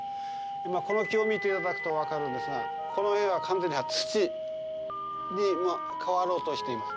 今この木を見て頂くと分かるんですがこの辺は完全に土に変わろうとしています。